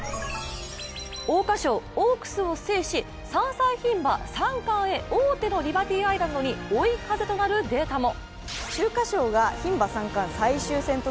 桜花賞、オークスを制し、３歳牝馬３冠へ王手のリバティアイランドに追い風となるデータも。